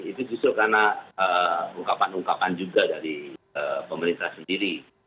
itu justru karena ungkapan ungkapan juga dari pemerintah sendiri